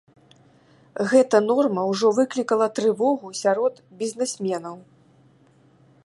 Гэта норма ўжо выклікала трывогу сярод бізнэсменаў.